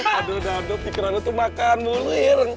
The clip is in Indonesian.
aduh dado pikiran lo tuh makan mulu ir